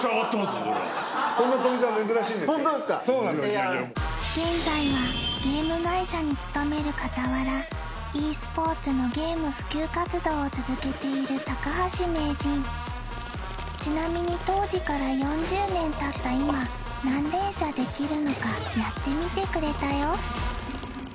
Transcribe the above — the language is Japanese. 映画も現在はゲーム会社に勤めるかたわらｅスポーツのゲーム普及活動を続けている高橋名人ちなみに当時から４０年たった今何連射できるのかやってみてくれたよ